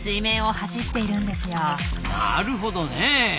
なるほどねえ。